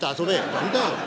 「何だよ！？